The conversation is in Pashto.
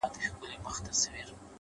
هره تجربه نوی درک رامنځته کوي